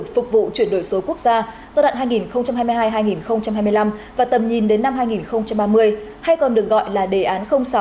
phục vụ chuyển đổi số quốc gia giai đoạn hai nghìn hai mươi hai hai nghìn hai mươi năm và tầm nhìn đến năm hai nghìn ba mươi hay còn được gọi là đề án sáu